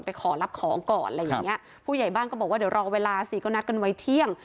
ขอรับของก่อนอะไรอย่างเงี้ยผู้ใหญ่บ้านก็บอกว่าเดี๋ยวรอเวลาสิก็นัดกันไว้เที่ยง